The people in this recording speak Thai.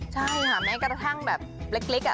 ใช่หรือแบบกระทั่งแบบเล็กอะ